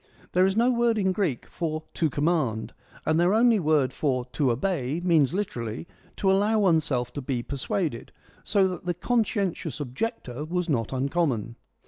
There is no word in Greek for ' to command,' and their only word for ' to obey ' means literally ' to allow oneself to be persuaded,' so that the conscientious objector was not uncommon.